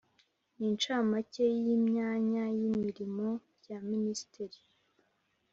n incamake y imyanya y imirimo bya Minisiteri